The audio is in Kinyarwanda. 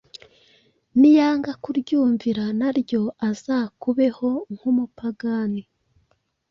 niyanga kuryumvira na ryo, azakubeho nk’umupagani